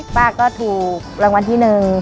ป้าก็ถูกรางวัลที่หนึ่ง